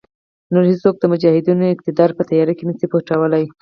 نور هېڅوک د مجاهدینو اقتدار په تیاره کې نشي پټولای.